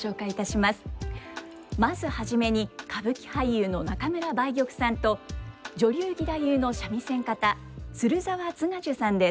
まず初めに歌舞伎俳優の中村梅玉さんと女流義太夫の三味線方鶴澤津賀寿さんです。